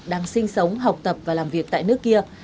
đang sinh sống học tập và làm việc tại nước kia